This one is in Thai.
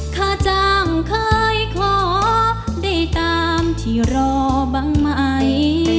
ค่าจ้างเคยขอได้ตามที่รอบ้างไหม